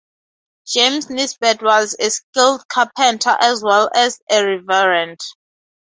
James Nisbet was a skilled carpenter as well as a reverend.